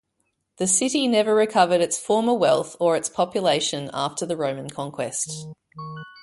The city never recovered its former wealth or its population after the Roman conquest.